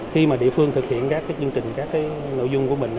khi mà địa phương thực hiện các chương trình các nội dung của mình